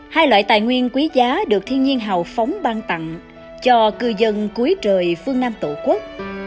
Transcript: hai loại tài nguyên quý giá được thiên nhiên hào phóng ban tặng cho cư dân cuối trời phương nam tổ quốc